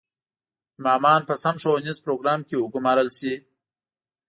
امامان په سم ښوونیز پروګرام کې وګومارل شي.